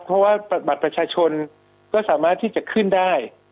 เพราะว่าบัตรประชาชนก็สามารถที่จะขึ้นได้